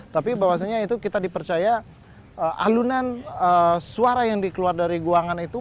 tapi bahwasanya itu kita dipercaya alunan suara yang dikeluarkan dari guangan itu